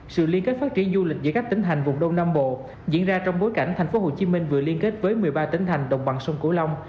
sự liên kết phát triển du lịch giữa các tỉnh hành vùng đông nam bộ diễn ra trong bối cảnh tp hcm vừa liên kết với một mươi ba tỉnh thành đồng bằng sông cổ long